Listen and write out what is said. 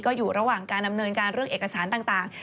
ก็อยู่ระหว่างการดำเนินการเรื่องเอกสารต่าง